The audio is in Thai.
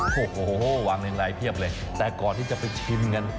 โฮวหวังเล็งไลน์เทียบเลยแต่ก่อนที่จะไปชิมกัน